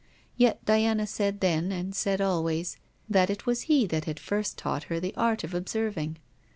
Yet Diana said then, and said always, that it was he who had first taught her the art of observing.